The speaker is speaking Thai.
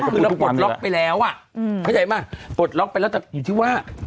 คือเราปลดล็อกไปแล้วอ่ะเข้าใจป่ะปลดล็อกไปแล้วแต่อยู่ที่ว่า